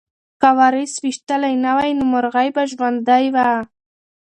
که وارث ویشتلی نه وای نو مرغۍ به ژوندۍ وه.